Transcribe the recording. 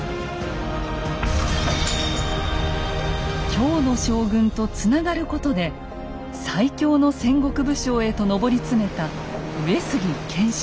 京の将軍とつながることで最強の戦国武将へと上り詰めた上杉謙信。